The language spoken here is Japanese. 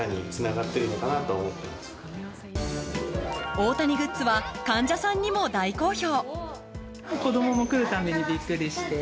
大谷グッズは患者さんにも大好評。